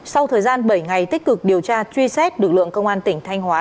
sau thời gian bảy ngày tích cực điều tra truy xét lực lượng công an tỉnh thanh hóa